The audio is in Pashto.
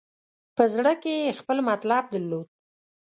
په زړه کې یې خپل مطلب درلود.